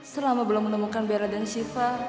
selama belum menemukan bera dan siva